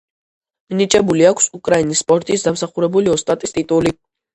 მინიჭებული აქვს უკრაინის სპორტის დამსახურებული ოსტატის ტიტული.